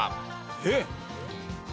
えっ？